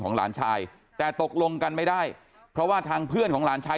หลานชายแต่ตกลงกันไม่ได้เพราะว่าทางเพื่อนของหลานชาย